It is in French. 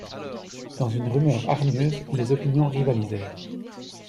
Dans une rumeur hargneuse, les opinions rivalisèrent.